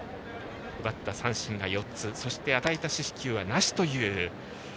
奪った三振が４つそして与えた四死球はなしという。